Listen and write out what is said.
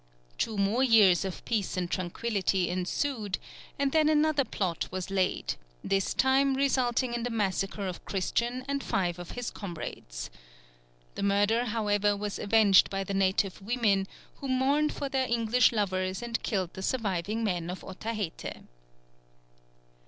Two more years of peace and tranquillity ensued, and then another plot was laid, this time resulting in the massacre of Christian and five of his comrades. The murder, however, was avenged by the native women, who mourned for their English lovers and killed the surviving men of Otaheite.